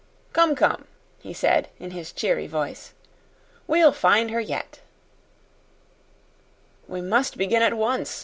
"Come, come," he said in his cheery voice; "we'll find her yet." "We must begin at once.